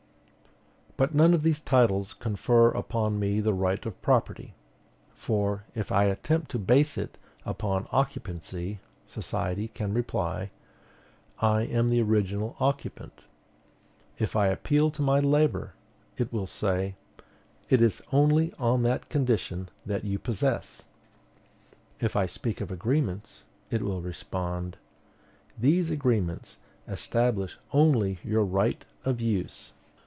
But none of these titles confer upon me the right of property. For, if I attempt to base it upon occupancy, society can reply, "I am the original occupant." If I appeal to my labor, it will say, "It is only on that condition that you possess." If I speak of agreements, it will respond, "These agreements establish only your right of use."